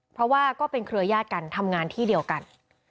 เพราะว่าก็เป็นเครือยาศกันทำงานที่เดียวกัน